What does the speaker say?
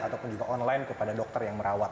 ataupun juga online kepada dokter yang merawat